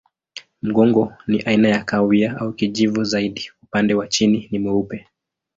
Mgongo ni aina ya kahawia au kijivu zaidi, upande wa chini ni mweupe.